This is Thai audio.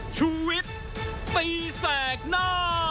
ชูวิตตีแสกหน้า